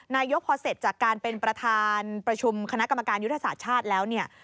นายกพอเสร็จจากการเป็นประธานประชุมคณะกรรมการยุทธศาสตร์ชาติแล้วเนี่ย